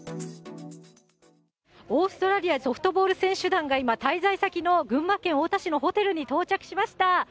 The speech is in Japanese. オーストラリア、ソフトボール選手団が今、滞在先の群馬県太田市のホテルに到着しました。